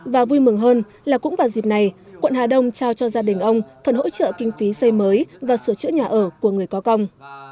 và vui mừng hơn là cũng vào dịp này quận hà đông trao cho gia đình ông phần hỗ trợ kinh phí xây mới và sửa chữa nhà ở của người có công